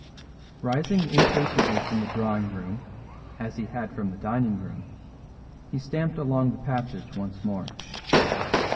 Rising impatiently from the drawing room, as he had from the dining room, he stamped along the passage once more.